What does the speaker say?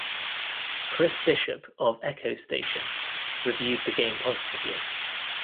Chris Bishop of "Echo Station" reviewed the game positively.